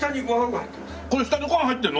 これ下にご飯入ってるの！？